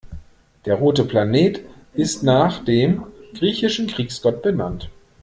Der rote Planet ist nach dem griechischen Kriegsgott benannt.